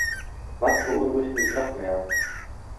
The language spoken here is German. Was beunruhigt mich noch mehr?